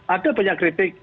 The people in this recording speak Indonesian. ada banyak kritik